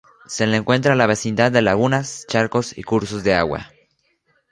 Se la encuentra en la vecindad de lagunas, charcos y cursos de agua.